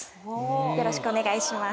よろしくお願いします。